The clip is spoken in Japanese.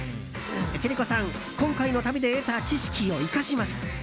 千里子さん、今回の旅で得た知識を生かします。